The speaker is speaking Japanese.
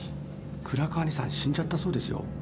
苦楽兄さん死んじゃったそうですよ。